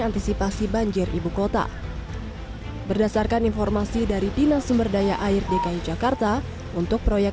antisipasi banjir ibukota berdasarkan informasi dari dinas sumberdaya air dki jakarta untuk proyek